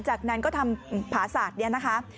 จากนั้นก็ทำผาศาสตร์นี้นะคะ